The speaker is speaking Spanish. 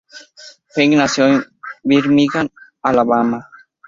Fink nació en Birmingham, Alabama.